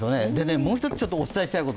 もう一つお伝えしたいこと。